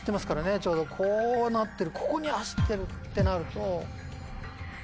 ちょうどこうなってるここに走ってるってなると。